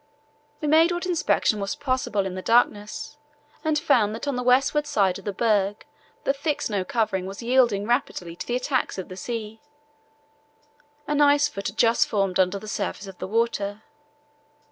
We made what inspection was possible in the darkness, and found that on the westward side of the berg the thick snow covering was yielding rapidly to the attacks of the sea. An ice foot had formed just under the surface of the water.